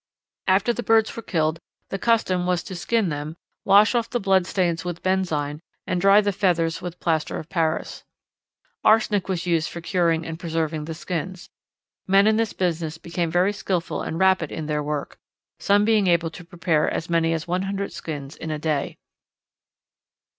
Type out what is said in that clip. After the birds were killed the custom was to skin them, wash off the blood stains with benzine, and dry the feathers with plaster of Paris. Arsenic was used for curing and preserving the skins. Men in this business became very skilful and rapid in their work, some being able to prepare as many as one hundred skins in a day.